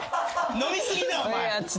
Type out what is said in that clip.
飲み過ぎだお前。